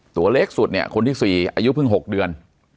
ตัวเล็กสุดเนี่ยคนที่๔อายุเพิ่ง๖เดือน